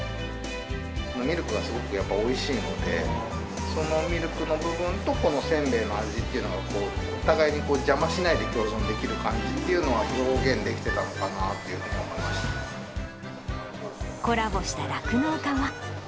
ミルクがすごく、やっぱりおいしいので、そのミルクの部分とこのせんべいの味っていうのが、お互いに邪魔しないで共存できる感じっていうのを表現できてたのコラボした酪農家は。